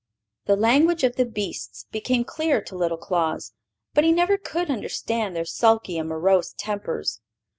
The language of the beasts became clear to little Claus; but he never could understand their sulky and morose tempers.